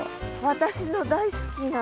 私の大好きな。